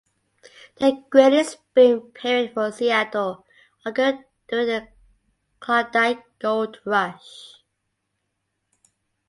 The greatest boom period for Seattle occurred during the Klondike gold rush.